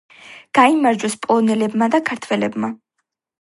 გაიმარჯვეს პოლონელებმა და ქართველებმა.